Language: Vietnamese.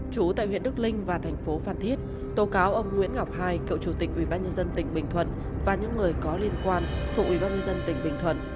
chú tại huyện đức linh và thành phố phan thiết tố cáo ông nguyễn ngọc hai cựu chủ tịch ubnd tỉnh bình thuận và những người có liên quan thuộc ubnd tỉnh bình thuận